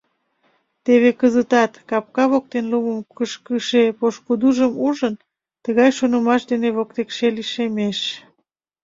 Теве кызытат, капка воктен лумым кышкыше пошкудыжым ужын, тыгай шонымаш дене воктекше лишемеш.